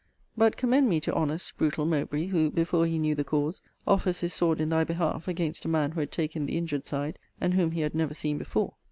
But commend me to honest brutal Mowbray, who, before he knew the cause, offers his sword in thy behalf against a man who had taken the injured side, and whom he had never seen before.